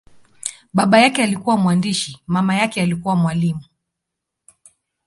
Baba yake alikuwa mwandishi, mama alikuwa mwalimu.